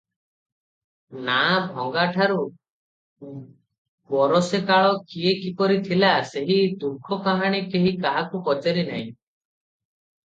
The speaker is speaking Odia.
ନାଆ ଭଙ୍ଗାଠାରୁ ବରଷେ କାଳ କିଏ କିପରି ଥିଲା, ସେହି ଦୁଃଖକାହାଣୀ କେହି କାହାକୁ ପଚାରି ନାହିଁ ।